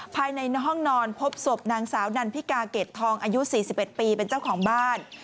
ภายในห้องนอนพบศพนางสาวนันพิกาเกรดทองอายุ๔๑ปีเป็นเจ้าของบ้าน